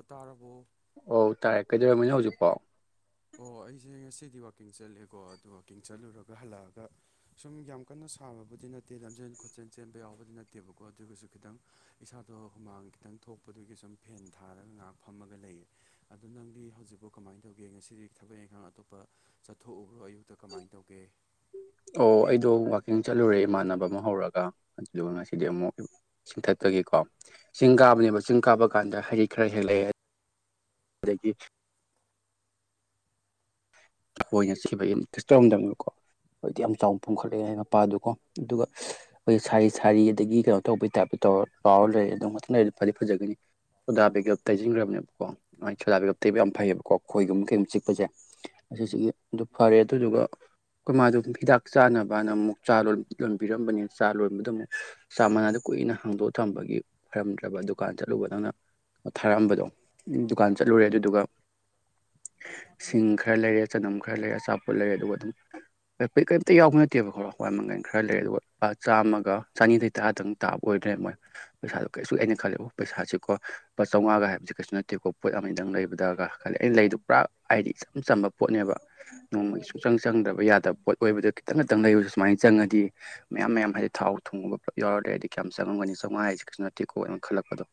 ꯎꯇꯥꯥꯔꯕꯣ ꯑꯣꯧ ꯇꯥꯔꯦ ꯀꯩꯗꯧꯔꯝꯔꯕꯅꯤ ꯍꯧꯖꯤꯛꯐꯥꯎ ꯑꯣ ꯑꯩꯁꯦ ꯉꯁꯤꯗꯤ ꯋꯥꯛꯀꯤꯡ ꯆꯠꯂꯦꯀꯣ ꯑꯗꯣ ꯋꯥꯛꯀꯤꯡ ꯆꯠꯂꯨꯔꯒ ꯍꯜꯂꯛꯑꯒ ꯁꯨꯝ ꯌꯥꯝ ꯀꯟꯅ ꯁꯥꯕꯕꯨꯗꯤ ꯅꯠꯇꯦ ꯂꯝꯖꯦꯟ ꯈꯣꯠꯆꯦꯜ ꯆꯦꯟꯕ ꯌꯥꯎꯕꯗꯤ ꯅꯠꯇꯦꯕꯀꯣ ꯑꯗꯨꯒꯁꯨ ꯈꯤꯇꯪ ꯏꯁꯥꯗꯣ ꯍꯨꯃꯥꯡ ꯈꯤꯇꯪ ꯊꯣꯛꯄꯗꯨꯒꯤ ꯁꯨꯝ ꯐꯦꯟ ꯊꯥꯔꯒ ꯉꯥꯏꯍꯥꯛ ꯐꯝꯃꯒ ꯂꯩꯌꯦ ꯑꯗꯣ ꯅꯪꯗꯤ ꯍꯧꯖꯤꯛꯐꯥꯎ ꯀꯃꯥꯏꯅ ꯇꯧꯒꯦ ꯉꯁꯤ ꯁꯤꯗꯤ ꯊꯕꯛ ꯏꯪꯈꯥꯡ ꯑꯇꯣꯞꯄ ꯆꯠꯊꯣꯛꯎꯕ꯭ꯔꯣ ꯑꯌꯨꯛꯇ ꯀꯃꯥꯏꯅ ꯇꯧꯒꯦ ꯑꯣ ꯑꯩꯗꯣ ꯋꯥꯛꯀꯤꯡ ꯆꯠꯂꯨꯔꯦ ꯏꯃꯥꯟꯅꯕ ꯑꯃ ꯍꯧꯔꯒ ꯑꯗꯨꯗꯨꯒ ꯉꯁꯤꯗꯤ ꯑꯃꯨꯛ ꯆꯤꯡꯊꯠꯄꯒꯤꯀꯣ ꯆꯤꯡ ꯀꯥꯕꯅꯦꯕ ꯆꯤꯡ ꯀꯥꯕ ꯀꯥꯟꯗ ꯍꯗꯤꯛ ꯈꯔ ꯍꯦꯛ ꯂꯩ ꯑꯗꯒꯤ ꯑꯩꯈꯣꯏꯅ ꯁꯤꯕ ꯏꯁ ꯇꯧꯝꯗꯗꯝꯅꯦꯕꯀꯣ ꯍꯗꯤ ꯌꯥꯝ ꯆꯥꯎꯅ ꯄꯨꯝꯝꯈꯠꯂꯛꯑꯦ ꯍꯥꯏ ꯃꯄꯥꯗꯀꯣ ꯑꯗꯨꯒ ꯑꯩꯈꯣꯏ ꯁꯥꯔꯤ ꯁꯥꯔꯤ ꯑꯗꯒꯤ ꯀꯩꯅꯣ ꯇꯧꯕꯒꯤ ꯇꯥꯏꯞꯇ ꯇꯧꯔ ꯂꯥꯎꯔ ꯂꯩꯔ ꯑꯗꯨꯝ ꯃꯊꯪꯔ ꯐꯗꯤ ꯐꯖꯒꯅꯤ ꯆꯨꯗꯥ ꯕꯦꯒꯞ ꯇꯩꯟꯈꯕꯅꯦꯕꯀꯣ ꯃꯥꯏ ꯆꯨꯗꯥ ꯕꯦꯒꯞ ꯇꯩꯕ ꯌꯥꯝ ꯐꯩꯌꯦꯕꯀꯣꯣꯏꯒꯨꯝ ꯀꯩꯒꯨꯝ ꯆꯤꯛꯁꯦ ꯑꯁꯤꯁꯤꯒꯤ ꯑꯗꯨ ꯐꯔꯦ ꯑꯗꯨꯗꯨꯒ ꯑꯩꯈꯣꯏ ꯃꯥꯗꯨ ꯍꯤꯗꯥꯛ ꯆꯥꯅꯕꯅ ꯑꯃꯨꯛ ꯆꯥ ꯂꯣꯟꯕꯤꯔꯝꯕꯅꯤ ꯆꯥ ꯂꯣꯟꯕꯗ ꯑꯃꯨꯛ ꯆꯥ ꯃꯅꯥꯗ ꯀꯨꯏꯅ ꯍꯥꯡꯗꯣꯛꯑ ꯊꯝꯕꯒꯤ ꯐꯔꯝꯗ꯭ꯔꯕ ꯗꯨꯀꯥꯟ ꯆꯠꯂꯨꯕ ꯅꯪꯅ ꯊꯥꯔꯛꯑꯝꯕꯗꯣ ꯗꯨꯀꯥꯟ ꯆꯠꯂꯨꯔꯦ ꯑꯗꯨꯗꯨꯒ ꯁꯤꯡ ꯈꯔ ꯂꯩꯔꯦ ꯆꯅꯝ ꯈꯔ ꯂꯩꯔ ꯑꯆꯥꯄꯣꯠ ꯂꯩꯔ ꯑꯗꯨꯒ ꯑꯗꯨꯝ ꯀ ꯀꯩꯝꯇ ꯌꯥꯎꯕ ꯅꯠꯇꯦꯕ ꯈꯔꯣ ꯍꯋꯥꯏ ꯃꯃꯪꯟ ꯈꯔ ꯂꯩ ꯑꯗꯨꯒ ꯂꯨꯄꯥ ꯆꯥꯝꯃꯒ ꯆꯅꯤꯗ ꯇꯔꯥꯗꯪ ꯇꯥꯕ ꯑꯣꯏꯗ꯭ꯔꯦ ꯃꯣꯏ ꯄꯩꯁꯥꯗꯣ ꯀꯩꯁꯨ ꯀꯏꯦꯅ ꯈꯜꯂꯦꯕ ꯄꯩꯁꯥꯁꯤꯀꯣ ꯂꯨꯄꯥ ꯆꯝꯉꯥꯒ ꯍꯥꯏꯕꯕꯁꯤ ꯀꯩꯁꯨ ꯅꯠꯇꯦꯀꯣ ꯄꯣꯠ ꯑꯃꯗꯪ ꯂꯩꯕꯗꯒ ꯈꯂꯦ ꯑꯩꯅ ꯂꯩꯗꯨ ꯄꯨꯔꯥ ꯍꯥꯏꯗꯤ ꯏꯆꯝ ꯆꯝꯕ ꯄꯣꯠꯅꯦꯕ ꯅꯣꯡꯃꯒꯤ ꯁꯨꯡꯆꯪ ꯆꯪꯗ꯭ꯔꯕ ꯌꯥꯗꯕ ꯄꯣꯠ ꯑꯣꯏꯕꯗ ꯈꯤꯇꯪ ꯇꯪ ꯂꯩꯁꯨ ꯁꯨꯃꯥꯏꯅ ꯆꯪꯉꯗꯤ ꯃꯌꯥꯝ ꯃꯌꯥꯝ ꯍꯥꯏꯗꯤ ꯊꯥꯎ ꯊꯣꯡꯉꯕꯒ ꯄꯨꯂꯞ ꯌꯥꯎꯔ꯭ꯔꯦ ꯍꯥꯏꯗꯤ ꯀꯌꯥꯝ ꯆꯪꯉꯝꯒ ꯆꯃꯉ ꯍꯥꯏꯁꯤꯦ ꯀꯁꯨ ꯇꯦꯀꯣꯅ ꯈꯜꯂꯛꯄꯗꯣ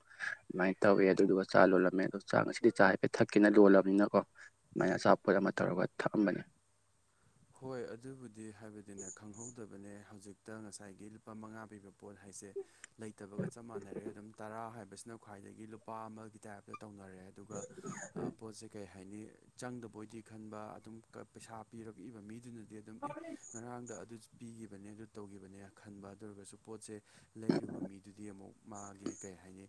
ꯑꯗꯨꯃꯥꯏꯅ ꯇꯧꯋꯦ ꯑꯗꯨꯗꯨꯒ ꯆꯥ ꯂꯣꯜꯂꯝꯃꯦ ꯑꯣ ꯆꯥꯛ ꯉꯁꯤꯗꯤ ꯆꯥ ꯍꯥꯏꯐꯦꯠ ꯊꯛꯀꯦꯅ ꯂꯣꯜꯂꯕꯅꯤꯅꯀꯣ ꯑꯗꯨꯃꯥꯏꯅ ꯆꯥ ꯄꯣꯠ ꯑꯃ ꯇꯧꯔꯒ ꯊꯛꯑꯝꯕꯅꯤ ꯍꯣꯏ ꯑꯗꯨꯕꯨꯗꯤ ꯍꯥꯏꯕꯗꯤꯅꯦ ꯈꯪꯍꯧꯗꯕꯅꯦ ꯍꯧꯖꯤꯛꯇ ꯉꯁꯥꯏꯒꯤ ꯂꯨꯄꯥ ꯃꯉꯥ ꯄꯤꯕ ꯄꯣꯠ ꯍꯥꯏꯁꯦ ꯂꯩꯇꯕꯒ ꯆꯞ ꯃꯥꯟꯅꯔꯦ ꯑꯗꯨꯝ ꯇꯔꯥ ꯍꯥꯏꯕꯁꯤꯅ ꯈ꯭ꯋꯥꯏꯗꯒꯤ ꯂꯨꯄꯥ ꯑꯃꯒꯤ ꯇꯥꯏꯞꯇ ꯇꯧꯅꯔꯦ ꯑꯗꯨꯒ ꯄꯣꯠꯁꯦ ꯀꯩ ꯀꯩ ꯍꯥꯏꯅꯤ ꯆꯪꯗꯕꯣꯏꯗꯤ ꯈꯟꯕ ꯑꯗꯨꯝ ꯄꯩꯁꯥ ꯄꯤꯔꯛꯏꯕ ꯃꯤꯗꯨꯅꯗꯤ ꯑꯗꯨꯝ ꯑꯦ ꯉꯔꯥꯡꯗ ꯑꯗꯨ ꯄꯤꯈꯤꯕꯅꯦ ꯑꯗꯨ ꯇꯧꯈꯤꯕꯅꯦꯅ ꯈꯟꯕ ꯑꯗꯨ ꯑꯣꯏꯔꯒꯁꯨ ꯄꯣꯠꯁꯦ ꯂꯩꯔꯨꯕ ꯃꯤꯗꯨꯗꯤ ꯑꯃꯨꯛ ꯃꯥꯒꯤ ꯀꯩ ꯍꯥꯏꯅꯤ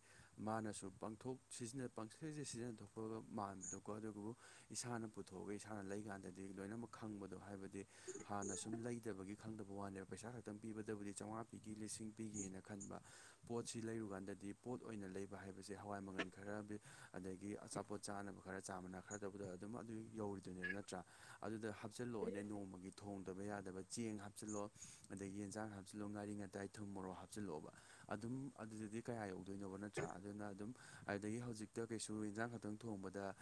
ꯃꯥꯅꯁꯨ ꯄꯥꯡꯊꯣꯛ ꯁꯤꯖꯤꯟꯅ ꯄꯪꯊꯛꯁꯦ ꯁꯤꯖꯤꯟꯅꯊꯣꯛꯄꯒ ꯃꯥꯟꯕꯗꯀꯣ ꯑꯗꯨꯕꯨ ꯏꯁꯥꯅ ꯄꯨꯊꯣꯛꯑꯒ ꯏꯁꯥꯅ ꯂꯩꯀꯥꯟꯗꯗꯤ ꯂꯣꯏꯅꯃꯛ ꯈꯪꯕꯗꯣ ꯍꯥꯏꯕꯗꯤ ꯍꯥꯟꯅ ꯁꯨꯝ ꯂꯩꯇꯕꯒꯤ ꯈꯪꯗꯕ ꯋꯥꯅꯦꯕ ꯄꯩꯁꯥ ꯈꯛꯇꯪ ꯄꯤꯕꯗꯕꯨꯗꯤ ꯆꯥꯝꯃꯉꯥ ꯄꯤꯒꯦ ꯂꯤꯁꯤꯡ ꯄꯤꯒꯦꯅ ꯈꯟꯕ ꯄꯣꯠꯁꯤ ꯂꯩꯔꯨꯀꯥꯟꯗꯗꯤ ꯄꯣꯠ ꯑꯣꯏꯅ ꯂꯩꯕ ꯍꯥꯏꯕꯁꯦ ꯍꯋꯥꯏ ꯃꯪꯒꯜ ꯈꯔ ꯑꯗꯒꯤ ꯑꯆꯥꯄꯣꯠ ꯆꯥꯅꯕ ꯈꯔ ꯆꯥ ꯃꯅꯥ ꯈꯔ ꯇꯧꯕꯗ ꯑꯗꯨꯝ ꯑꯗꯨ ꯌꯧꯔꯤꯗꯣꯏꯅꯦꯕ ꯅꯠꯇ꯭ꯔꯥ ꯑꯗꯨꯗ ꯄꯤꯤꯁꯜꯂꯛꯑꯣꯅꯦ ꯅꯣꯡꯃꯒꯤ ꯊꯣꯡꯗꯕ ꯌꯥꯗꯕ ꯆꯦꯡ ꯍꯥꯞꯆꯤꯜꯂꯣ ꯑꯗꯒꯤ ꯌꯦꯟꯖꯥꯡ ꯍꯥꯞꯆꯤꯜꯂꯣ ꯉꯥꯔꯤ ꯉꯥꯇꯥꯏ ꯊꯨꯝ ꯃꯣꯔꯣꯛ ꯍꯥꯞꯆꯤꯜꯂꯛꯑꯣꯕ ꯑꯗꯨꯝ ꯑꯗꯨꯗꯗꯤ ꯀꯌꯥ ꯌꯧꯗꯣꯏꯅꯣꯕ ꯅꯠꯇ꯭ꯔꯥ ꯑꯗꯨꯅ ꯑꯗꯨꯝ ꯑꯗꯒꯤ ꯍꯧꯖꯤꯛꯇ ꯀꯩꯁꯨ ꯏꯟꯖꯥꯡ ꯈꯛꯇꯪ ꯊꯣꯡꯕꯗ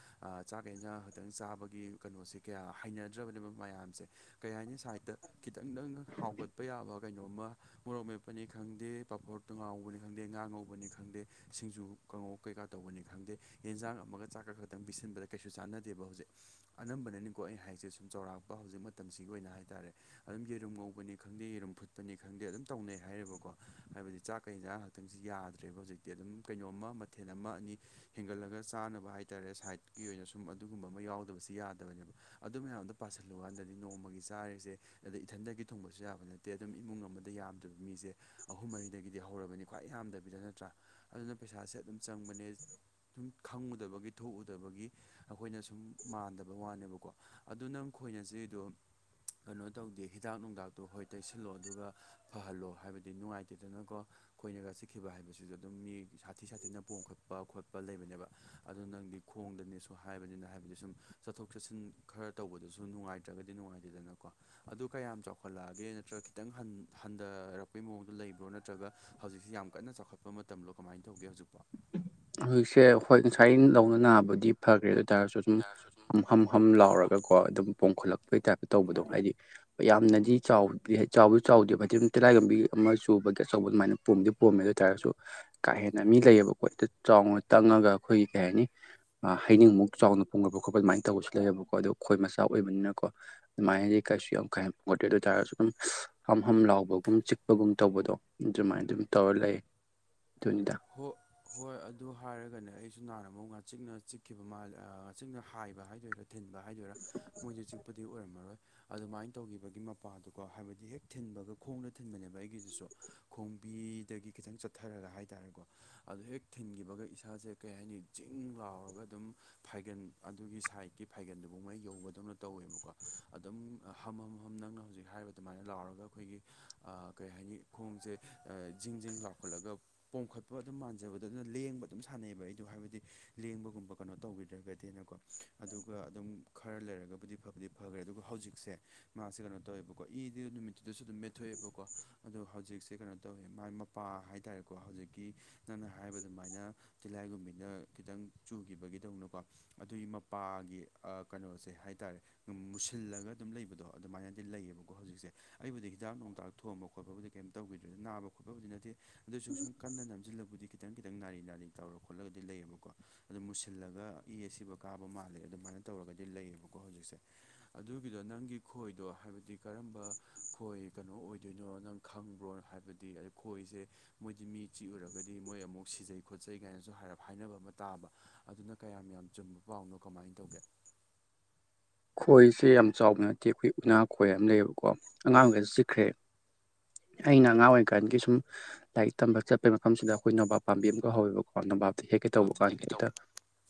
ꯆꯥꯛꯈꯩꯩꯅ ꯇꯪ ꯆꯥꯕꯒꯤ ꯀꯩꯅꯣꯁꯦ ꯀꯌꯥ ꯍꯩꯅꯗ꯭ꯔꯕꯅꯦꯕ ꯃꯌꯥꯝꯁꯦ ꯀꯩ ꯍꯥꯏꯅꯤ ꯁꯥꯏꯠꯇ ꯈꯤꯇꯪꯗꯪ ꯍꯥꯎꯒꯠꯄ ꯌꯥꯕ ꯀꯩꯅꯣꯝꯃ ꯃꯣꯔꯣꯛ ꯃꯦꯞꯄꯅꯤ ꯈꯪꯗꯦ ꯄꯥꯄꯣꯔ ꯇꯣ ꯉꯥꯎꯕꯅꯤ ꯈꯪꯗꯦ ꯉꯥ ꯉꯧꯕꯅꯤ ꯈꯪꯗꯦ ꯁꯤꯡꯖꯨ ꯀꯉꯣ ꯀꯩꯀꯥ ꯇꯧꯕꯅꯤ ꯈꯪꯗꯦ ꯌꯦꯟꯖꯥꯡ ꯑꯃꯒ ꯆꯥꯛꯀ ꯈꯛꯇꯪ ꯄꯤꯁꯤꯟꯕꯗ ꯀꯩꯁꯨ ꯆꯥꯟꯅꯗꯦꯕ ꯍꯧꯖꯤꯛ ꯑꯅꯝꯕꯅꯅꯤꯀꯣ ꯑꯩꯅ ꯍꯥꯏꯁꯦ ꯁꯨꯝ ꯆꯥꯎꯔꯥꯛꯄ ꯍꯧꯖꯤꯛ ꯃꯇꯝꯁꯤꯒꯤ ꯑꯣꯏꯅ ꯍꯥꯏꯇꯥꯔꯦ ꯑꯗꯨꯝ ꯌꯦꯔꯨꯝ ꯉꯧꯕꯅꯤ ꯈꯪꯗꯦ ꯌꯦꯔꯨꯝ ꯐꯨꯠꯄꯅꯤ ꯈꯪꯗꯦ ꯑꯗꯨꯝ ꯇꯧꯅꯩ ꯍꯥꯏꯔꯤꯕꯀꯣ ꯍꯥꯏꯕꯗꯤ ꯆꯥꯛꯀ ꯍꯦꯟꯖꯥꯡ ꯈꯤꯇꯪꯁꯤ ꯌꯥꯗ꯭ꯔꯦꯕ ꯍꯧꯖꯤꯛꯇꯤ ꯑꯗꯨꯝ ꯀꯩꯅꯣꯝꯃ ꯃꯊꯦꯜ ꯑꯃ ꯑꯅꯤ ꯍꯦꯟꯒꯠꯂꯒ ꯆꯥꯅꯕ ꯍꯥꯏ ꯔꯦ ꯁꯥꯏꯠꯀꯤ ꯑꯣꯏꯅ ꯁꯨꯝ ꯑꯗꯨꯒꯨꯝꯕ ꯑꯃ ꯌꯥꯎꯗꯕꯁꯤ ꯌꯥꯗꯕꯅꯦꯕ ꯑꯗꯨ ꯃꯌꯥꯝꯗꯨ ꯄꯥꯁꯜꯂꯨꯀꯥꯟꯗꯗꯤ ꯅꯣꯡꯃꯒꯤ ꯆꯥꯔꯤꯁꯦ ꯑꯗ ꯏꯊꯟꯗꯒꯤ ꯊꯣꯡꯕꯁꯨ ꯌꯥꯕ ꯅꯠꯇꯦ ꯑꯗꯨꯝ ꯏꯃꯨꯡ ꯑꯃꯗ ꯌꯥꯝꯗꯔꯕꯗ ꯃꯤꯁꯦ ꯑꯍꯨꯝ ꯃꯔꯤꯗꯒꯤꯗꯤ ꯍꯧꯔꯕꯅꯤ ꯈ꯭ꯋꯥꯏ ꯌꯥꯝꯗꯕꯤꯗ ꯅꯠꯇ꯭ꯔꯥ ꯑꯗꯨꯅ ꯄꯩꯁꯥꯁꯦ ꯑꯗꯨꯝ ꯆꯪꯕꯅꯦ ꯁꯨꯝ ꯈꯪꯉꯨꯗꯕꯒꯤ ꯊꯣꯛꯎꯗꯕꯒꯤ ꯑꯩꯈꯣꯏꯅ ꯁꯨꯝ ꯃꯥꯟꯗꯕ ꯋꯥꯅꯦꯕꯀꯣ ꯑꯗꯨ ꯅꯪ ꯈꯣꯏꯅ ꯆꯤꯡꯢꯗꯣ ꯀꯩꯅꯣ ꯇꯧꯗꯦ ꯍꯤꯗꯥꯛ ꯅꯨꯡꯗꯥꯛꯇꯣ ꯍꯣꯏ ꯇꯩꯁꯤꯜꯂꯣ ꯑꯗꯨꯒ ꯐꯍꯜꯂꯣ ꯍꯥꯏꯕꯗꯤ ꯅꯨꯡꯉꯥꯏꯇꯦꯗꯅꯀꯣ ꯑꯩꯣꯏꯅꯒ ꯆꯠꯈꯤꯕ ꯍꯥꯏꯕꯁꯤꯁꯨ ꯑꯗꯨꯝ ꯃꯤ ꯁꯥꯊꯤ ꯁꯥꯊꯤꯅ ꯄꯣꯝ ꯈꯠꯄ ꯈꯣꯠꯄ ꯂꯩꯕꯅꯦꯕ ꯑꯗꯨ ꯅꯪꯗꯤ ꯈꯣꯡꯗꯅꯦ ꯁ ꯍꯥꯏꯕꯅꯤꯅ ꯍꯥꯏꯕꯗꯤ ꯁꯨꯝ ꯆꯠꯊꯣꯛ ꯆꯠꯁꯤꯟ ꯈꯔ ꯇꯧꯕꯗꯁꯨ ꯑꯗꯨ ꯅꯨꯡꯉꯥꯏꯇ꯭ꯔꯒꯗꯤ ꯅꯨꯡꯉꯥꯏꯇꯦꯗꯅꯀꯣ ꯑꯗꯨ ꯀꯌꯥꯝ ꯆꯥꯎꯈꯠꯂꯛꯑꯒꯦ ꯅꯠꯇ꯭ꯔꯒ ꯈꯤꯇꯪ ꯍꯟ ꯍꯟꯊꯔꯛꯄꯩ ꯃꯑꯣꯡꯗꯣ ꯂꯩꯕ꯭ꯔꯣ ꯅꯠꯇ꯭ꯔꯒ ꯍꯧꯖꯤꯛꯁꯤ ꯌꯥꯝ ꯀꯟꯅ ꯆꯥꯎꯈꯠꯄ ꯃꯇꯝ꯭ꯔꯣ ꯀꯃꯥꯏꯅ ꯇꯧꯒꯦ ꯍꯧꯖꯤꯛꯐꯣ ꯍꯧꯖꯤꯛꯁꯦ ꯍꯣꯏ ꯉꯁꯥꯏ ꯂꯧꯅ ꯅꯥꯕꯗꯤ ꯐꯈ꯭ꯔꯦ ꯑꯗꯨ ꯑꯣꯏꯇꯥꯔꯒꯁꯨ ꯇꯥꯔꯁꯨ ꯑꯗꯨꯝ ꯁꯨꯝ ꯍꯝ ꯍꯝ ꯂꯥꯎꯔꯒ ꯀꯣ ꯑꯗꯨꯝ ꯄꯣꯝꯈꯠꯂꯛꯄꯒꯤ ꯇꯥꯏꯞꯇ ꯇꯧꯕꯗꯣ ꯍꯥꯏꯗꯤ ꯌꯥꯝꯅꯗꯤ ꯆꯥꯎ ꯆꯥꯎꯕꯁꯨ ꯆꯥꯎꯗꯦꯕ ꯍꯥꯏꯗꯤ ꯑꯗꯨ ꯇꯤꯔꯥꯏꯒ ꯂꯝꯝꯕꯤ ꯑꯃ ꯆꯨꯕꯒꯤ ꯑꯆꯧꯕ ꯑꯗꯨꯃꯥꯏꯅ ꯄꯣꯝꯗꯤ ꯄꯣꯝꯃꯦ ꯑꯗꯨ ꯑꯣꯏꯇꯥꯥꯔꯒꯁꯨ ꯀꯥ ꯍꯦꯟꯅ ꯃꯤ ꯂꯩꯌꯦꯕ ꯀꯣꯏꯇ ꯆꯥꯎꯅ ꯇꯪꯉꯒ ꯑꯩꯈꯣꯏꯒꯤ ꯀꯩ ꯍꯥꯏꯅꯤ ꯍꯩꯅꯤꯡꯃꯨꯛ ꯆꯥꯎꯅ ꯐꯣꯡꯒꯠꯄ ꯈꯣꯠꯄ ꯑꯗꯨꯃꯥꯏꯅ ꯇꯧꯕꯁꯨ ꯂꯩꯌꯦꯕꯀꯣ ꯑ ꯈꯣꯏ ꯃꯆꯥ ꯑꯣꯏꯕꯅꯤꯅꯀꯣ ꯃꯥꯏꯗꯤ ꯀꯥꯏꯁꯤꯁꯨ ꯌꯥꯝ [unintelligible] ꯑꯗꯨꯝ ꯍꯝ ꯍꯝ ꯂꯥꯎꯕꯒꯨꯝ ꯆꯤꯛꯄꯒꯨꯝ ꯇꯧꯕꯗꯣ ꯑꯗꯨꯃꯥꯏꯅ ꯑꯗꯨꯝ ꯇꯧꯔ ꯂꯩꯌꯦ ꯍ ꯍꯣꯏ ꯑꯗꯨ ꯍꯥꯏꯔꯒꯅꯦ ꯑꯩ ꯨ ꯅꯥꯔꯕ ꯃ ꯉ ꯆꯤꯛꯅ ꯆꯤꯛꯈꯤꯕ ꯃꯥ ꯆꯤꯛꯅ ꯍꯥꯏꯕ ꯍꯥꯏꯗꯣꯏꯔꯥ ꯊꯤꯟꯕ ꯍꯥꯏꯗꯣꯏꯔꯥ ꯃꯣꯏꯁꯦ ꯆꯤꯛꯄꯗꯤ ꯑꯣꯏꯔꯝꯃꯔꯣꯏ ꯑꯗꯨꯃꯥꯏꯅ ꯇꯧꯒꯤꯕꯒꯤ ꯃꯄꯥꯗꯨꯀꯣ ꯍꯥꯏꯕꯗꯤ ꯍꯦꯛ ꯊꯤꯟꯕꯒ ꯈꯣꯡꯗ ꯊꯤꯟꯕꯅꯦꯕ ꯑꯩꯒꯤꯗꯨꯁꯨ ꯈꯣꯝꯕꯤꯗꯒꯤ ꯈꯤꯇꯪ ꯆꯠ ꯊꯔꯒ ꯍꯥꯏꯇꯥꯔꯦꯀꯣ ꯑꯗ ꯍꯦꯛ ꯊꯤꯟꯈꯤꯕꯒ ꯏꯁꯥꯁꯦ ꯀꯩ ꯍꯥꯏꯅꯤ ꯆꯤꯡ ꯂꯥꯎꯔꯒ ꯑꯗꯨꯝ ꯐꯥꯏꯒꯟ ꯑꯗꯨꯒꯤ ꯁꯥꯏꯠꯀꯤ ꯐꯥꯏꯒꯟꯗꯨꯐꯥꯎꯉꯩ ꯌꯧꯕꯗꯧꯅ ꯇꯧꯋꯦꯕꯀꯣ ꯑꯗꯨꯝ ꯍꯝ ꯍꯝ ꯅꯪꯅ ꯍꯧꯖꯤꯛ ꯍꯥꯏꯔꯤꯕ ꯑꯗꯨꯃꯥꯏꯅ ꯂꯥꯎꯔꯒ ꯑꯩꯈꯣꯏꯒꯤ ꯀꯩ ꯍꯥꯏꯅꯤ ꯈꯣꯡꯖꯦ ꯖꯤꯡ ꯖꯤꯡ ꯂꯥꯎꯈꯠꯂꯒ ꯄꯣꯝꯈꯠꯄ ꯑꯗꯨꯝ ꯃꯥꯟꯖꯕꯗꯣ ꯑꯗꯨꯅ ꯂꯦꯡꯕ ꯑꯗꯨꯝ ꯁꯥꯟꯅꯩꯕ ꯑꯩꯗꯣ ꯍꯥꯏꯕꯗꯤ ꯂꯦꯡꯕꯒꯨꯝꯕ ꯀꯩꯅꯣ ꯇꯧꯕꯤꯗ꯭ꯔꯒꯗꯤꯅꯀꯣ ꯑꯗꯨꯒ ꯑꯗꯨꯝ ꯈꯔ ꯂꯩꯔꯒꯕꯨꯗꯤ ꯐꯕꯨꯗꯤ ꯐꯒ꯭ꯔꯦ ꯑꯗꯨꯒ ꯍꯧꯖꯤꯛꯁꯦ ꯃꯥꯁꯦ ꯀꯩꯅꯣ ꯇꯧꯋꯦꯕ ꯀꯣ ꯏꯖꯦ ꯅꯨꯃꯤꯠꯇꯨꯗꯁꯨ ꯑꯗꯨꯝ ꯃꯦꯠꯊꯣꯛꯑꯦꯕꯀꯣ ꯑꯗꯣ ꯍꯧꯖꯤꯛꯁꯦ ꯀꯩꯅꯣ ꯇꯧꯋꯦ ꯃꯥꯥꯢ [inaudible] ꯄꯥ ꯍꯥꯢꯇꯥꯔꯦꯀꯣ ꯍꯧꯖꯤꯛꯀꯤ ꯅꯪꯅ ꯍꯥꯢꯕ ꯑꯗꯨꯃꯥꯢꯅ ꯇꯤꯜꯂꯥꯢꯈꯣꯝꯕꯤꯅ ꯈꯤꯇꯪ ꯆꯨꯒꯤꯕꯒꯤꯗꯧꯅꯀꯣ ꯑꯗꯨꯒꯤ ꯃꯄꯥꯒꯤ ꯑꯥ ꯀꯩꯅꯣꯁꯦ ꯍꯥꯢꯇꯥꯔꯦ ꯃꯨꯁꯤꯜꯂꯒ ꯑꯗꯨꯝ ꯂꯩꯕꯗꯣ ꯑꯗꯨꯃꯥꯢꯅꯗꯤ ꯂꯩꯌꯦꯕꯀꯣ ꯍꯧꯖꯤꯛꯁꯦ ꯑꯩꯕꯨꯗꯤ ꯍꯤꯗꯥꯛ ꯅꯨꯡ ꯅꯨꯡꯇꯥꯛ ꯊꯣꯝꯕ ꯈꯣꯠꯄꯕꯨꯗꯤ ꯀꯩꯝ ꯇꯧꯒꯤꯗ꯭ꯔꯦ ꯅꯥꯕ ꯈꯣꯠꯄꯕꯨꯗꯤ ꯅꯠꯇꯦ ꯑꯗꯨꯑꯣꯢꯁꯨ ꯁꯨꯝ ꯀꯟꯅ ꯅꯝꯖꯤꯜꯂꯕꯨꯗꯤ ꯈꯤꯇꯪ ꯈꯤꯇꯪ ꯅꯥꯔꯤ ꯅꯥꯔꯤ ꯇꯧꯔ ꯈꯣꯠꯂꯒꯗꯤ ꯂꯩꯌꯦꯕꯀꯣ ꯑꯗꯨꯝ ꯃꯨꯁꯤꯜꯂꯒ ꯏ ꯑꯁꯤꯕ ꯀꯥꯕ ꯃꯥꯜꯂꯦ ꯑꯗꯨꯃꯥꯢꯅ ꯇꯧꯔꯒꯗꯤ ꯂꯩꯌꯦꯕꯀꯣ ꯍꯧꯖꯤꯛꯁꯦ ꯑꯗꯨꯒꯤꯗꯣ ꯅꯪꯒꯤ ꯈꯣꯏꯗꯣ ꯍꯥꯏꯕꯗꯤ ꯀꯔꯝꯕ ꯈꯣꯏ ꯀꯩꯅꯣ ꯑꯣꯏꯗꯣꯏꯅꯣ ꯅꯪ ꯈꯪꯕ꯭ꯔꯣꯅ ꯍꯥꯏꯕꯗꯤ ꯑꯗꯨꯗ ꯈꯣꯏꯁꯦ ꯃꯣꯏꯗꯤ ꯃꯤ ꯆꯤꯛꯎꯨꯔꯒꯗꯤ ꯃꯣꯏ ꯑꯃꯨꯛ ꯁꯤꯖꯩ ꯈꯣꯠꯆꯩ ꯀꯥꯏꯅꯁꯨ ꯍꯥꯏꯅꯕ ꯑꯃ ꯇꯥꯕ ꯑꯗꯨꯅ ꯀꯌꯥꯝ ꯌꯥꯝ ꯆꯨꯝꯕ ꯄꯥꯎꯅꯣ ꯀꯃꯥꯏꯅ ꯇꯧꯒꯦ ꯈꯣꯏꯁꯦ ꯌꯥꯝ ꯆꯥꯎꯕ ꯅꯠꯇꯦ ꯑꯩꯈꯣꯏ ꯎꯅꯥ ꯈꯣꯏ ꯑꯃ ꯂꯩꯌꯦꯕꯀꯣ ꯑꯉꯥꯡꯒꯁ ꯆꯤꯛꯈ꯭ꯔꯦ ꯑꯩꯅ ꯑꯉꯥꯡ ꯑꯣꯏꯔꯤꯀꯥꯟꯒꯤ ꯁꯨꯝ ꯂꯥꯏꯔꯤꯛ ꯇꯝꯕ ꯆꯠꯄꯩ ꯃꯐꯝꯁꯤꯗ ꯑꯩꯈꯣꯏ ꯅꯣꯕꯥ ꯄꯥꯝꯕꯤ ꯑꯃꯛ ꯍꯧꯋꯦꯕ ꯅꯣꯕꯥꯞꯇꯤ ꯍꯦꯛꯀꯦ ꯇꯧꯕ ꯍꯥꯞꯇꯤ ꯀꯥꯟꯗ ꯍꯦꯛꯀꯦ ꯍꯦꯛꯇ ꯇꯧꯕ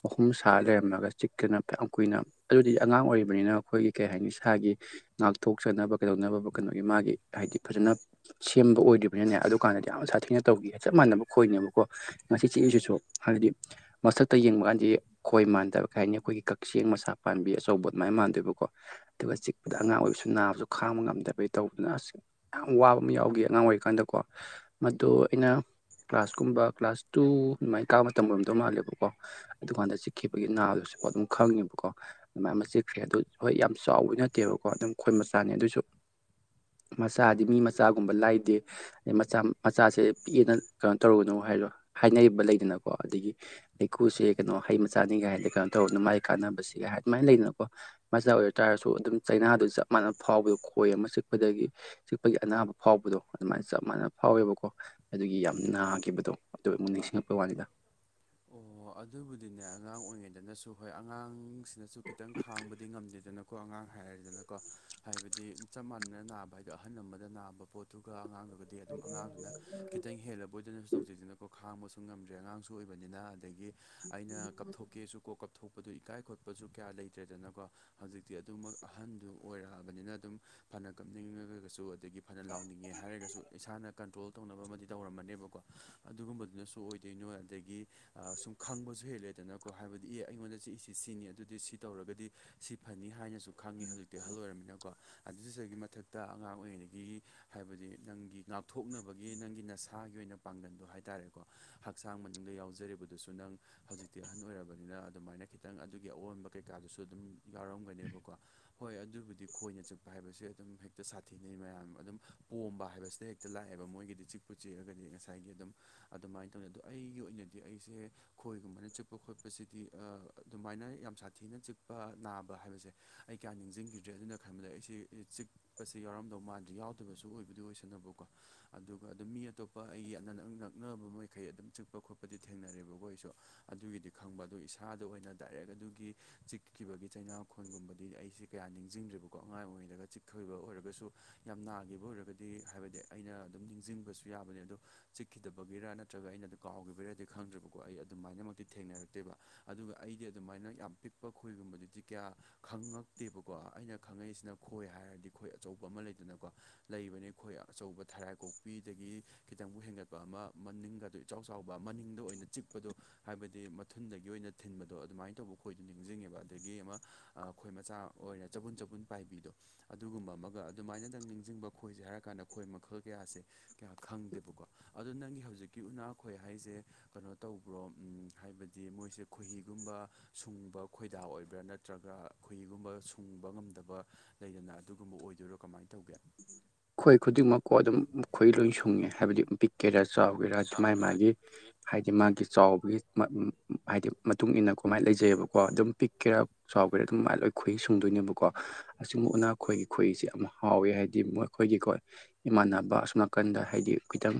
ꯑꯍꯨꯝ ꯁꯥ ꯂꯩꯔꯝꯂꯒ ꯆꯤꯛꯀꯅꯌꯥꯝ ꯀꯨꯏꯅ ꯑꯗꯨꯗꯤ ꯑꯉꯥꯡ ꯑꯣꯏꯔꯤꯕꯅꯤꯅ ꯑꯩꯈꯣꯏꯒꯤ ꯀꯩ ꯍꯥꯏꯅꯤ ꯏꯁꯥꯒꯤ ꯉꯥꯛꯊꯣꯛꯆꯅꯕ ꯀꯩꯗꯧꯅꯕ ꯀꯩꯅꯣꯒꯤ ꯃꯥꯒꯤ ꯍꯥꯢꯗꯤ ꯐꯖꯅ ꯁꯦꯝꯕ ꯑꯣꯢꯗ꯭ꯔꯤꯕꯅꯤꯅꯅꯦ ꯑꯗꯨꯀꯥꯟꯗꯗꯤ ꯀꯌꯥꯝ ꯁꯥꯊꯤꯅ ꯇꯧꯒꯤꯌꯦ ꯆꯞ ꯃꯥꯟꯅꯕ ꯈꯣꯢꯅꯦꯕꯀꯣ ꯉꯁꯤ ꯆꯤꯛꯏꯁꯤꯁꯨ ꯍꯥꯢꯕꯗꯤ ꯃꯊꯛꯇ ꯌꯦꯡꯕ ꯀꯥꯟꯗꯗꯤ ꯈꯣꯢ ꯃꯥꯟꯗꯕ ꯀꯩ ꯍꯥꯢꯅꯤ ꯑꯩꯈꯣꯢꯒꯤ ꯀꯛꯆꯦꯡ ꯃꯁꯥ ꯄꯥꯟꯕꯤ ꯑꯁ ꯇꯧꯕ ꯑꯗꯨꯃꯥꯢꯅ ꯃꯥꯟꯗꯦꯕꯀꯣ ꯑꯗꯨꯒ ꯆꯤꯛꯄꯗ ꯑꯉꯥꯡ ꯑꯣꯏꯕꯁꯨ ꯅꯥꯕꯁꯨ ꯈꯥꯡꯕ ꯉꯝꯗꯕꯩ ꯇꯧꯗꯅ ꯑꯥꯁ ꯌꯥꯝ ꯋꯥꯕ ꯑꯃ ꯌꯥꯎꯒꯤ ꯑꯉꯥꯡ ꯑꯣꯢꯔꯤꯀꯥꯟꯗ ꯀꯣ ꯃꯗꯨ ꯑꯩꯅ ꯀ꯭ꯂꯥꯁꯀꯨꯝꯕ ꯀ꯭ꯂꯥꯁ ꯇꯨ ꯑꯗꯨꯃꯥꯢ ꯀꯥꯕ ꯃꯇꯝ ꯑꯣꯢꯔꯝꯗꯧ ꯃꯥꯜꯂꯦꯕꯀꯣ꯫ ꯑꯗꯨꯀꯥꯟꯗ ꯆꯤꯛꯈꯤꯕꯒꯤ ꯅꯥꯕꯁꯨ ꯍꯧꯖꯤꯛꯐꯥꯎ ꯑꯗꯨꯝ ꯈꯪꯉꯤꯕꯀꯣ꯫ ꯃꯌꯥꯝꯃ ꯆꯤꯛꯈ꯭ꯔꯦ ꯑꯗꯨ ꯍꯣꯢ ꯌꯥꯝ ꯆꯥꯎꯕ ꯅꯠꯇꯦꯕꯀꯣ ꯑꯗꯨꯝ ꯈꯣꯢ ꯃꯆꯥꯅꯦ ꯑꯗꯨꯑꯣꯢꯁꯨ ꯃꯆꯥꯗꯤ ꯃꯤ ꯃꯆꯥꯒꯨꯝꯕ ꯂꯥꯢꯗꯦ ꯃꯆꯥ ꯃꯆꯥꯁꯦ ꯄꯤꯛꯑꯦꯅ ꯀꯩꯅꯣ ꯇꯧꯔꯨꯒꯅꯨ ꯍꯥꯢꯗꯣ ꯍꯥꯢꯅꯩꯕ ꯂꯩꯗꯅꯀꯣ ꯑꯗꯒꯤ ꯍꯩꯀꯨꯁꯦ ꯀꯩꯅꯣ ꯍꯩ ꯃꯆꯥꯅꯤꯒꯥꯢꯗ ꯀꯩꯅꯣ ꯇꯧꯔꯖꯅꯨ ꯃꯥꯒꯤ ꯀꯥꯟꯅꯕꯁꯤꯒ ꯍꯥꯢ ꯑꯗꯨꯃꯥꯢꯅ ꯂꯩꯗꯅꯀꯣ ꯃꯆꯥ ꯑꯣꯢꯔ ꯇꯥꯔꯁꯨ ꯑꯗꯨꯝ ꯆꯩꯅꯥꯗꯨ ꯆꯞ ꯃꯥꯟꯅ ꯐꯥꯎꯕꯗ ꯈꯣꯢ ꯑꯃ ꯆꯤꯛꯄꯗꯒꯤ ꯆꯤꯛꯄꯒꯤ ꯑꯅꯥꯕ ꯐꯥꯎꯕꯗꯣ ꯑꯗꯨꯃꯥꯢꯅ ꯆꯞ ꯃꯥꯟꯅ ꯐꯥꯎꯋꯦꯕꯀꯣ ꯑꯗꯨꯒꯤ ꯌꯥꯝ ꯅꯥꯒꯤꯕꯗꯣ ꯑꯗꯨ ꯑꯃꯨꯛ ꯅꯤꯡꯁꯤꯡꯉꯛꯄ ꯋꯥꯅꯤꯗ ꯑꯣ ꯑꯗꯨꯕꯨꯗꯤꯅꯦ ꯑꯉꯥꯡ ꯑꯣꯢꯔꯤꯉꯩꯗꯅꯁꯨ ꯍꯣꯢ ꯑꯉꯥꯡ ꯁꯤꯅꯁꯨ ꯈꯤꯇꯪ ꯈꯥꯡꯕꯗꯤ ꯉꯝꯗꯦꯗꯅꯀꯣ ꯑꯉꯥꯡ ꯍꯥꯢꯔꯦꯗꯅꯀꯣ ꯍꯥꯢꯕꯗꯤ ꯆꯞ ꯃꯥꯟꯅꯅ ꯅꯥꯕ ꯍꯥꯢꯗꯣ ꯑꯍꯟ ꯑꯃꯗ ꯅꯥꯕ ꯄꯣꯠꯇꯨꯒ ꯑꯉꯥꯡ ꯕꯨꯗꯤ ꯑꯗꯨꯝ ꯑꯉꯥꯡꯗꯨꯅ ꯈꯤꯇꯪ ꯍꯦꯜꯂꯕꯣꯢꯗꯅꯁꯨ ꯇꯧꯖꯩꯗꯅꯀꯣ ꯈꯥꯡꯕꯁꯨ ꯉꯝꯗ꯭ꯔꯦ ꯑꯉꯥꯡꯁꯨ ꯑꯣꯢ ꯑꯣꯢꯕꯅꯤꯅ ꯑꯗꯒꯤ ꯑꯩꯅ ꯀꯞꯊꯣꯛꯀꯦꯁꯨ ꯀꯣꯛ ꯀꯞꯊꯣꯛꯄꯗꯣ ꯏꯀꯥꯢ ꯈꯣꯠꯄꯁꯨ ꯀꯌꯥ ꯂꯩꯇ꯭ꯔꯦꯗꯅꯀꯣ ꯍꯧꯖꯤꯛꯇꯤ ꯑꯗꯨꯃꯛ ꯑꯍꯟꯗꯨ ꯑꯣꯢꯔꯛꯑꯕꯅꯤꯅ ꯑꯗꯨꯝ ꯐꯅ ꯀꯞꯅꯤꯡꯉꯒꯒꯁꯨ ꯑꯗꯒꯤ ꯐꯅ ꯂꯥꯎꯅꯤꯡꯉꯦ ꯍꯥꯢꯔꯒꯁꯨ ꯏꯁꯥꯅ ꯀꯟꯇ꯭ꯔꯣꯜ ꯇꯧꯅꯕ ꯑꯃꯗꯤ ꯇꯧꯔꯝꯃꯅꯦꯕꯀꯣ ꯑꯗꯨꯒꯨꯝꯕꯗꯨꯅꯁꯨ ꯑꯣꯢ ' [unintelligible] ' ꯑꯗꯒꯤ ꯑꯥ ꯁꯨꯝ ꯈꯪꯕꯁꯨ ꯍꯦꯜꯂꯦꯗꯅꯀꯣ ꯍꯥꯢꯕꯗꯤ ꯑꯦ ꯑꯩꯉꯣꯟꯗ ꯆꯤꯛꯏꯁꯤ ꯁꯤꯅꯤ ꯑꯗꯨꯗꯤ ꯁꯤ ꯇꯧꯔꯒꯗꯤ ꯁꯤ ꯐꯅꯤ ꯍꯥꯢꯅꯖꯨ ꯈꯪꯉꯤ ꯍꯧꯖꯤꯛꯇꯤ ꯑꯍꯜ ꯑꯣꯢꯔꯃꯤꯅꯀꯣ ꯑꯗꯨꯖꯨꯒꯤ ꯃꯊꯛꯇ ꯑꯉꯥꯡ ꯑꯣꯢꯔꯤꯉꯩꯗꯒꯤ ꯍꯥꯢꯕꯗꯤ ꯅꯪꯒꯤ ꯉꯥꯛꯊꯣꯛꯅꯕꯒꯤ ꯅꯪꯒꯤ ꯅꯁꯥꯒꯤ ꯑꯣꯢꯅ ꯄꯥꯡꯒꯟꯗꯣ ꯍꯥꯢꯇꯥꯔꯦꯀꯣ ꯍꯛꯆꯥꯡ ꯃꯅꯨꯡꯗ ꯌꯥꯎꯖꯔꯤꯕꯗꯨꯁꯨ ꯅꯪ ꯍꯧꯖꯤꯛꯇꯤ ꯑꯍꯟ ꯑꯣꯢꯔꯕꯅꯤꯅ ꯑꯗꯨꯃꯥꯢꯅ ꯈꯤꯇꯪ ꯑꯗꯨꯒꯤ ꯑꯑꯣꯟꯕ ꯀꯩꯀꯥꯗꯨꯁꯨ ꯑꯗꯨꯝ ꯌꯥꯎꯔꯝꯒꯅꯦꯕꯀꯣ꯫ ꯍꯣꯢ ꯑꯗꯨꯕꯨꯗꯤ ꯈꯣꯢꯅ ꯆꯤꯛꯄ ꯍꯥꯢꯕꯁꯦ ꯑꯗꯨꯝ ꯍꯦꯛꯇ ꯁꯥꯊꯤꯅꯩ ꯃꯌꯥꯝ ꯑꯗꯨꯝ ꯄꯣꯝꯕ ꯍꯥꯢꯕꯁꯦ ꯍꯦꯛ ꯇ ꯂꯥꯛꯑꯦꯕ ꯃꯣꯢꯒꯤꯗꯤ ꯆꯤꯛꯄꯨ ꯆꯤꯛꯑꯒꯗꯤ ꯉꯁꯥꯢꯒꯤ ꯑꯗꯨꯝ ꯑꯗꯨꯃꯥꯢꯅ ꯇꯧꯅ ꯑꯗꯣ ꯑꯩꯒꯤ ꯑꯣꯢꯅꯗꯤ ꯑꯩꯖꯦ ꯈꯣꯢꯒꯨꯝꯕꯅ ꯆꯤꯛꯄ ꯈꯣꯠꯄꯁꯤꯗꯤ ꯑꯥ ꯑꯗꯨꯃꯥꯢꯅ ꯌꯥꯝ ꯁꯥꯊꯤꯅ ꯆꯤꯛꯄ ꯅꯥꯕ ꯍꯥꯢꯕꯖꯦ ꯑꯩ ꯀꯌꯥ ꯅꯤꯡꯖꯤꯡꯒꯤꯗ꯭ꯔꯦ ꯑꯗꯨꯅ ꯈꯟꯕꯗ ꯑꯩꯁꯦ ꯆꯤꯛ ꯄꯁꯦ ꯌꯥꯎꯔꯝꯗꯧ ꯃꯥꯥꯟꯗ꯭ꯔꯤ ꯌꯥꯎꯗꯕꯁꯨ ꯑꯣꯢꯕꯨꯗꯤ ꯑꯣꯢꯁꯟꯅꯕꯀꯣ ꯑꯗꯨꯒ ꯑꯗꯨꯝ ꯃꯤ ꯑꯇꯣꯞꯄ ꯑꯩꯒꯤ ꯑꯅ ꯅꯛ ꯅꯛꯅꯕ ꯃꯈꯩ ꯑꯗꯨꯝ ꯆꯤꯛꯄ ꯈꯣꯠꯄ ꯗꯤ ꯊꯦꯡꯅꯔꯦꯕꯀꯣ ꯑꯩꯁꯨ ꯑꯗꯨꯒꯤꯗꯤ ꯈꯪꯕ ꯑꯗꯨ ꯏꯁꯥꯗ ꯑꯣꯏꯅ ꯗꯥꯏꯔꯦꯛ ꯑꯗꯨꯒꯤ ꯆꯤꯛꯈꯤꯕꯒꯤ ꯆꯩꯅꯥꯈꯣꯟꯜꯒꯨꯝꯕꯗꯤ ꯑꯩꯁꯦ ꯀꯌꯥ ꯅꯤꯡꯁꯤꯡꯗ꯭ꯦꯔꯤꯕꯀꯣ ꯑꯉꯥꯡ ꯑꯣꯏꯔꯤꯩꯔꯒ ꯆꯤꯛꯈꯕ ꯑꯣꯏꯔꯒꯁꯨ ꯌꯥꯝ ꯅꯥꯈꯤꯕ ꯑꯣꯏꯔꯒꯗꯤ ꯍꯥꯏꯕꯗꯤ ꯑꯩꯅ ꯑꯗꯨꯝ ꯅꯤꯡꯁꯤꯡꯕꯁꯨ ꯌꯥꯕꯅꯦ ꯑꯗꯣ ꯈꯤꯗꯕꯒꯤꯔꯥ ꯅꯠꯇ꯭ꯔꯒ ꯑꯩꯅ ꯑꯗꯨ ꯀꯥꯎꯈꯤꯕꯔꯥ ꯈꯪꯗ꯭ꯔꯕꯀꯣ ꯑꯩ ꯑꯗꯨꯃꯥꯏꯅꯃꯛꯇꯤ ꯊꯦꯡꯅꯔꯛꯇꯦꯕ ꯑꯗꯨꯒ ꯑꯩꯗꯤ ꯑꯗꯨꯃꯥꯏꯅ ꯌꯥꯝ ꯄꯤꯛꯄ ꯈꯣꯏꯒꯨꯝꯕꯗꯨꯗꯤ ꯀꯌꯥ ꯈꯪꯉꯛꯇꯦꯕꯀꯣ ꯑꯩꯅ ꯈꯪꯉꯛꯏꯁꯤꯅ ꯈꯣꯏ ꯍꯥꯏꯔꯗꯤ ꯈꯣꯏ ꯑꯆꯧꯕ ꯑꯃ ꯂꯩꯗꯅꯀꯣ ꯂꯩꯕꯅꯤ ꯑꯩꯈꯣꯏ ꯑꯆꯧꯕ ꯊꯔꯥꯏ ꯀꯣꯛꯄꯤꯗꯒꯤ ꯈꯤꯇꯪꯕꯨ ꯍꯦꯟꯒꯠꯄ ꯑꯃ ꯃꯅꯤꯡꯒꯗ ꯏꯆꯥꯎ ꯆꯥꯎꯕ ꯃꯅꯤꯡꯗ ꯑꯣꯢꯅ ꯆꯤꯛꯄꯗꯣ ꯍꯥꯢꯕꯗꯤ ꯃꯊꯨꯟꯗꯒꯤ ꯑꯣꯢꯅ ꯊꯤꯟꯕꯗꯣ ꯑꯗꯨꯃꯥꯢꯅ ꯇꯧꯕ ꯈꯣꯢꯗꯣ ꯅꯤꯡꯁꯤꯡꯉꯦꯕ ꯑꯗꯒꯤ ꯑꯃ ꯑꯥ ꯈꯣꯢ ꯃꯆꯥ ꯑꯣꯢꯅ ꯆꯕꯨꯟ ꯆꯕꯨꯟ ꯄꯥꯢꯕꯤꯗꯣ ꯑꯗꯨꯒꯨꯝꯕ ꯑꯃꯒ ꯑꯗꯨꯃꯥꯢꯅꯗꯪ ꯅꯤꯡꯁꯤꯡꯕ ꯈꯣꯢꯖꯦ ꯍꯥꯢꯔꯀꯥꯟꯗ ꯈꯣꯢ ꯃꯈꯜ ꯀꯌꯥꯁꯦ ꯀꯌꯥ ꯈꯪꯗꯦꯕꯀꯣ ꯑꯗꯣ ꯅꯪꯒꯤ ꯍꯧꯖꯤꯛꯀꯤ ꯎꯅꯥꯈꯣꯢ ꯍꯥ ꯍꯥꯢꯖꯦ ꯀꯩꯅꯣ ꯇꯧꯕ꯭ꯔꯣ ꯎꯝ ꯍꯥꯢꯕꯗꯤ ꯃꯣꯢꯖꯦ ꯈꯣꯢꯍꯤꯒꯨꯝꯕ ꯁꯨꯡꯕ ꯈꯣꯢꯗꯥ ꯑꯣꯢꯕ꯭ꯔꯥ ꯅꯠ ꯇ꯭ꯔꯒ ꯈꯍꯤꯒꯨꯝꯕ ꯁꯨꯡꯕ ꯉꯝꯗꯕ ꯂꯩꯗꯅ ꯑꯗꯨꯒꯨꯝꯕ ꯑꯣꯢꯗꯣꯢꯔꯣ ꯀꯃꯥꯢꯅ ꯇꯧꯒꯦ ꯈꯣꯢ ꯈꯨꯗꯤꯡꯃꯛꯀꯣ ꯑꯗꯨꯝ ꯈꯣꯢꯌꯤ ꯂꯣꯢ ꯁꯨꯡꯉꯦ ꯍꯥꯢꯕꯗꯤ ꯕꯤꯛ ꯀꯦꯔꯁꯥ ꯑꯣꯏꯒꯦꯔꯥ ꯃꯥꯥꯏ ꯃꯥꯒꯤ ꯆꯥꯎꯒꯦꯔꯥꯒꯤ ꯍꯥꯏ ꯍꯥꯏꯗꯤ ꯃꯥꯒꯤ ꯆꯥꯎꯕꯒꯤ ꯍꯥꯏꯗꯤ ꯃꯇꯨꯡ ꯏ ꯃꯇꯨꯡꯏꯟꯅ ꯀꯃꯥꯏꯅ ꯂꯩꯖꯩꯑꯕꯀꯣ ꯑꯗꯨꯝ ꯄꯤꯛꯀꯦꯔꯥ ꯆꯥꯎꯈꯔꯦ ꯑꯗꯨꯝꯃꯥꯏꯅ ꯂꯣꯏ ꯈꯣꯏꯏ ꯁꯨꯡꯗꯣꯏꯅꯦꯕꯀꯣ ꯑꯁꯤꯒꯨꯝꯅ ꯑꯩꯈꯣꯏꯒꯤ ꯈꯁꯤꯦ ꯌꯥꯝ ꯍꯥꯎꯋꯦ ꯍꯥꯏ ꯍꯥꯏꯗꯤ ꯃꯈꯣꯏꯒꯤꯀꯣ ꯏꯃꯥꯟꯅꯕ ꯑꯁꯨꯝ ꯅꯥꯀꯟꯗ ꯍꯥꯏꯗꯤ ꯈꯤꯇꯪ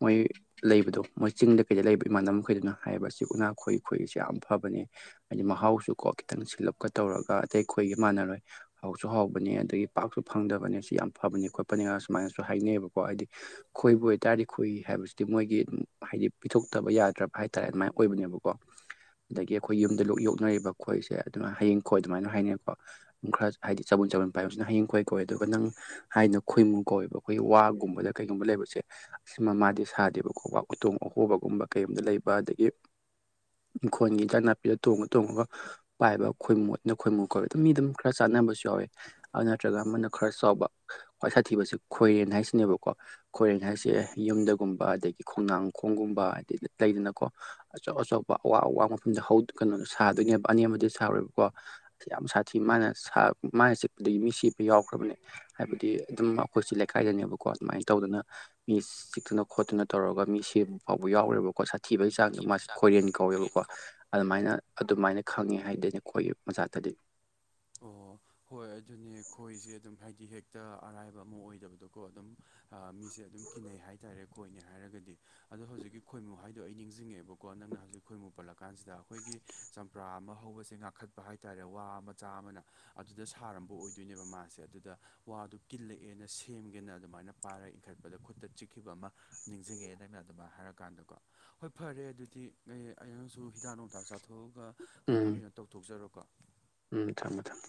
ꯃꯣꯏ ꯂꯩꯕꯗꯣ ꯃꯣꯏ ꯆꯤꯡꯗ ꯀꯩꯗ ꯂꯩꯕ ꯏꯃꯥꯟꯅꯕꯈꯩꯗꯨꯅ ꯍꯥꯏꯔꯤꯕ ꯑꯁꯤ ꯎꯅꯥꯈꯣꯏꯈꯣꯏꯁꯤ ꯌꯥꯝ ꯐꯕꯅꯦ ꯍꯥꯏꯗꯤ ꯃꯍꯥꯎꯁꯨ ꯀꯣ ꯈꯤꯇꯪ ꯁꯤꯜꯂꯞꯀ ꯇꯧꯔꯒ ꯑꯇꯩ ꯑꯩꯈꯣꯏꯒ ꯃꯥꯟꯅꯔꯣꯏ ꯍꯥꯎꯁꯨ ꯍꯥꯎꯕꯅꯦ ꯑꯗꯒꯤ ꯄꯥꯛꯁꯨ ꯐꯪꯗꯕꯅꯦ ꯁꯤ ꯌꯥꯝ ꯐꯕꯅꯤ ꯈꯣꯠꯄꯅꯤꯅ ꯁꯨꯃꯥꯏꯅꯁꯨ ꯍꯥꯏꯅꯩꯌꯦꯕꯀꯣ ꯍꯥꯏꯗꯤ ꯈꯣꯏꯕꯨ ꯑꯣꯏꯇꯥꯔꯗꯤ ꯈꯣꯏ ꯍꯥꯏꯕꯁꯤꯗꯤ ꯃꯣꯏꯒꯤ ꯍꯥꯏꯗꯤ ꯄꯤꯊꯣꯛꯇꯕ ꯌꯥꯗ꯭ꯔꯕ ꯍꯥꯏꯇꯥꯔꯦ ꯑꯗꯨꯃꯥꯏꯅ ꯑꯣꯏꯕꯅꯦꯕꯀꯣ ꯑꯗꯒꯤ ꯑꯩꯈꯣꯏ ꯌꯨꯝꯗ ꯂ ꯌꯣꯛꯅꯔꯤꯕ ꯈꯣꯏꯁꯦ ꯑꯗꯨꯃꯥꯏꯅ ꯍꯌꯦꯡ ꯈꯣꯏ ꯑꯗꯨꯃꯥꯏꯅ ꯍꯥꯏꯅꯩꯀꯣ ꯈꯔ ꯍꯥꯏꯗꯤ ꯆꯥꯕꯣꯟ ꯆꯥꯕꯟ ꯄꯥꯏꯕꯖꯤꯅ ꯍꯌꯤꯡ ꯈꯣꯏ ꯀꯣꯋꯦ ꯑꯗꯨꯒ ꯅꯪ ꯍꯥꯏꯅ ꯈꯣꯏꯃꯨ ꯀꯧꯋꯦꯕ ꯑꯩꯈꯣꯏꯒꯤ ꯋꯥꯒꯨꯝꯕꯗ ꯀꯩꯒꯨꯝꯕ ꯂꯩꯕꯁꯦ ꯁꯤꯃ ꯃꯥꯗꯤ ꯁꯥꯗꯦꯕ ꯈꯣꯠꯄ ꯎꯇꯣꯡ ꯑꯍꯣꯕꯒꯨꯝꯕ ꯀꯩꯒꯨꯝꯕꯗ ꯂꯩꯕ ꯑꯗꯒꯤ ꯏꯪꯈꯣꯟꯒꯤ ꯏꯟꯖꯥꯡ ꯅꯥꯄꯤꯗ ꯇꯣꯡꯉ ꯇꯣꯡꯉꯒ ꯄꯥꯏꯕ ꯈꯣꯏꯃꯣꯠꯅ ꯈꯣꯏꯃꯨ ꯀꯧꯋꯦ ꯑꯗꯨ ꯃꯤ ꯑꯗꯨꯝ ꯈꯔ ꯆꯥꯟꯅꯕꯁꯨ ꯌꯥꯎꯋꯦ ꯑꯗꯨ ꯅꯠꯇ꯭ꯔꯒ ꯑꯃꯅ ꯈꯔ ꯆꯥꯎꯕ ꯈ꯭ꯋꯥꯏ ꯁꯥꯊꯤꯕꯁꯤ ꯈꯣꯏꯔꯦꯟ ꯍꯥꯏꯁꯤꯅꯦꯕꯀꯣ ꯈꯣꯔꯦꯟ ꯍꯥꯏꯁꯦ ꯑꯦ ꯌꯨꯝꯗꯒꯨꯝꯕ ꯑꯗꯒꯤ ꯈꯣꯡꯅꯥꯡꯈꯣꯡꯒꯨꯝꯕ ꯑꯗꯩ ꯂꯩꯗꯅꯀꯣ ꯑꯆꯧ ꯑꯆꯧꯕ ꯑꯋꯥ -ꯑꯋꯥꯡ ꯃꯐꯝꯗ ꯍꯧꯗꯣ- ꯀꯩꯅꯣꯅꯦ ꯁꯥꯗꯣꯏꯅꯦꯕ ꯑꯅꯦꯝꯕꯗ ꯁꯥꯔꯣꯏꯕꯀꯣ ꯌꯥꯝ ꯁꯥꯊꯤ ꯃꯥꯅ ꯁꯥ ꯃꯥꯅ ꯆꯤꯛꯄꯗꯒꯤ ꯃꯤ ꯁꯤꯕ ꯌꯥꯎꯈ꯭ꯔꯕꯅꯦ ꯍꯥꯏꯕꯗꯤ ꯑꯗꯨꯝ ꯑꯩꯈꯣꯏꯁꯤ ꯂꯩꯀꯥꯏꯗꯅꯦꯕꯀꯣ ꯑꯗꯨꯃꯥꯏꯅ ꯇꯧꯗꯅ ꯃꯤ ꯆꯤꯛꯇꯅ ꯈꯣꯠꯇꯨꯅ ꯇꯧꯔꯒ ꯃꯤ ꯁꯤꯕ ꯐꯥꯎꯕ ꯌꯥꯎꯈꯒ꯭ꯔꯦꯕꯀꯣ ꯁꯥꯊꯤꯕꯩ ꯆ ꯑꯩꯍꯥꯛꯅ ꯊꯤꯕꯒꯤ ꯃꯥꯁꯦ ꯆꯥꯡꯗꯣ ꯈꯣꯔꯦꯟ ꯕ꯭ꯔꯦꯟ ꯀꯧꯋꯦꯕꯀꯣ ꯀꯥꯎ ꯑꯗꯨꯃꯥꯏꯅ ꯑꯗꯨꯃꯥꯏꯅ ꯈꯪꯉꯦ ꯍꯥꯏꯗꯤꯅꯦ ꯈꯣꯏꯒꯤ ꯃꯆꯥꯛꯇꯗꯤ ꯑꯣ ꯍꯣꯏ ꯑꯗꯨꯅꯦ ꯈꯣꯏꯖꯦ ꯑꯗꯨꯝ ꯍꯥꯏꯗꯤ ꯍꯦꯛꯇ ꯑꯔꯥꯏꯕ ꯑꯃ ꯑꯣꯏꯗꯕꯗꯣꯀꯣ ꯑꯗꯨꯝ ꯑꯥ ꯃꯤꯁꯦ ꯑꯗꯨꯝ ꯀꯤꯅꯩ ꯍꯥꯏꯇꯥꯔꯦ ꯀꯣ ꯈꯣꯏꯅꯦ ꯍꯥꯏꯔꯒꯗꯤ ꯑꯗꯣ ꯍꯧꯖꯤꯛꯀꯤ ꯈꯣꯏꯃꯨ ꯍꯥꯏꯗꯣ ꯑꯩ ꯅꯤꯡꯖꯤꯡꯉꯛꯑꯦꯕꯀꯣ ꯅꯪꯅ ꯍꯧꯖꯤꯛ ꯈꯣꯏꯃꯨ ꯄꯜꯂꯀꯥꯟꯖꯤꯗ ꯈꯣꯏꯒꯤ ꯆꯝꯄ꯭ꯔꯥ ꯑꯃ ꯍꯧꯕꯁꯦ ꯉꯥꯛꯈꯠꯄ ꯍꯥꯏꯇꯥꯔꯦ ꯋꯥ ꯃꯆꯥ ꯑꯃꯅ ꯑꯗꯨꯗ ꯁꯥꯔꯝꯕ ꯑꯣꯏꯗꯣꯏꯅꯦꯕ ꯃꯥꯁꯦ ꯑꯗꯨꯗ ꯋꯥꯗꯨ ꯀꯤꯜꯂꯛꯑꯦꯅ ꯁꯦꯝꯒꯦꯅ ꯑꯗꯨꯃꯥꯏꯅ ꯄꯥꯏꯔ ꯏꯟꯈꯠꯄꯗ ꯈꯨꯠꯇ ꯆꯤꯛꯈꯤꯕ ꯑꯃ ꯅꯤꯡꯁꯤꯡꯉꯛꯑꯦ ꯅꯪꯅ ꯑꯗꯨꯃꯥꯏ ꯍꯥꯏꯔꯀꯥꯟꯗꯀꯣ ꯍꯣꯏ ꯐꯔꯦ ꯑꯗꯨꯗꯤ ꯉꯩ -ꯑꯩꯁꯨ ꯍꯤꯗꯥꯛ ꯅꯨꯡꯊꯥꯛ ꯆꯥꯊꯣꯛꯑꯒ ꯀꯩꯅꯣ ꯎꯝ ꯀꯩꯅꯣ ꯇꯧꯊꯣꯛꯆꯔꯣꯀꯣ ꯎꯝ ꯊꯝꯃꯣ ꯊꯝꯃꯣ